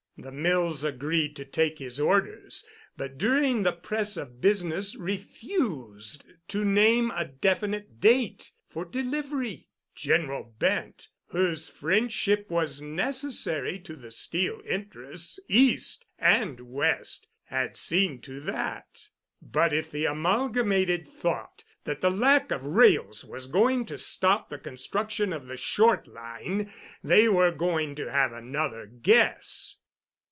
The mills agreed to take his orders, but during the press of business refused to name a definite date for delivery. General Bent, whose friendship was necessary to the steel interests East and West, had seen to that. But if the Amalgamated thought that the lack of rails was going to stop the construction of the Short Line, they were going to have another guess.